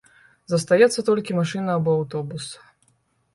Застаецца толькі машына або аўтобус.